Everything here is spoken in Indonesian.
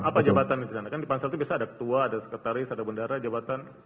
apa jabatan di sana kan di pansel itu biasanya ada ketua ada sekretaris ada bendara jabatan